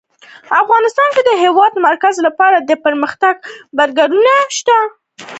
افغانستان کې د د هېواد مرکز لپاره دپرمختیا پروګرامونه شته.